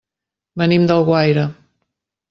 Venim d'Alguaire.